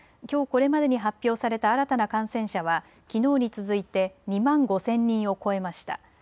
きょうこれまでに発表された新たな感染者はきのうに続いて２万５０００人を超えました。